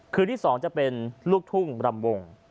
คืนที่๒จะเป็นลูกทุ่งรำวง